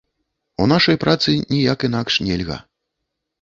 У нашай працы ніяк інакш нельга.